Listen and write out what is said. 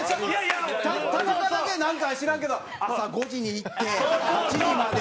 田中だけなんか知らんけど「朝５時に行って８時まで回して。